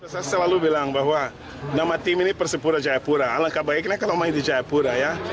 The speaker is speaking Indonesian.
saya selalu bilang bahwa nama tim ini persipura jayapura alangkah baiknya kalau main di jayapura ya